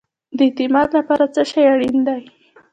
د اعتماد لپاره څه شی اړین دی؟